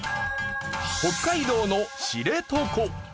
北海道の知床。